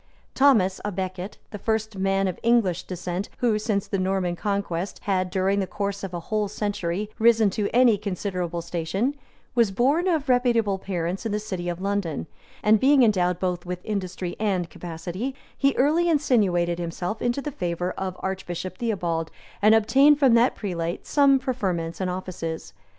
Thomas à Becket, the first man of English descent who, since the Norman conquest, had, during the course of a whole century, risen to any considerable station, was born of reputable parents in the city of London; and being endowed both with industry and capacity, he early insinuated himself into the favor of Archbishop Theobald, and obtained from that prelate some preferments and offices.